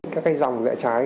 các dòng dạy trái